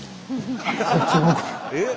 えっ？